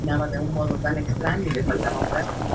El actual cargo se creó tras la independencia del territorio.